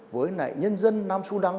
với lại nhân dân nam sudan